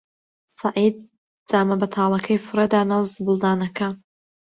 سەعید جامە بەتاڵەکەی فڕێ دا ناو زبڵدانەکە.